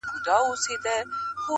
مرغکیو به نارې پسي وهلې!!